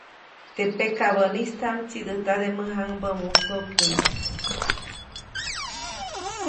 Teʼ pakabäʼnistaʼm tsiʼdäjtabäde mäjaŋbä musokyuʼy.